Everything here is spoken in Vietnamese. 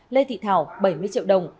lê thị thảo bảy mươi triệu đồng